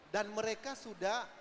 dan mereka sudah